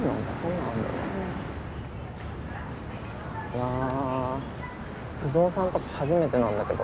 わあ不動産とか初めてなんだけど。